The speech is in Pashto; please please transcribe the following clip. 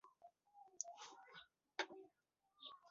بې غږه افغانستان که سلامت هم وي، د نړۍ په سټېجونو ملامت ښودل کېږي